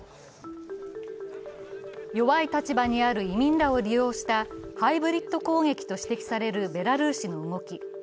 弱い立場にある移民らを利用したハイブリッド攻撃と指摘されるベラルーシの動き。